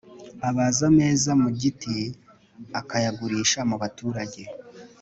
abaza ameza mu giti akayagurisha mubaturage